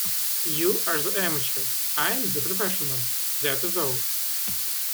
You are the amateur, I am the professional — that is all.